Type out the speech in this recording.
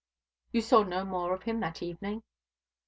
"You saw no more of him that evening?"